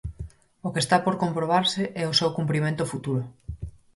O que está por comprobarse é o seu cumprimento futuro.